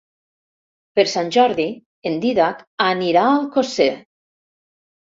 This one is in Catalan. Per Sant Jordi en Dídac anirà a Alcosser.